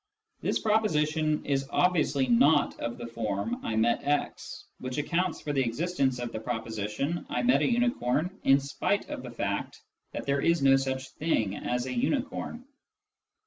This proposi tion is obviously not of the form " I met x," which accounts Descriptions 1 69 for the existence of the proposition " I met a unicorn " in spite of the fact that there is no such thing as " a unicorn."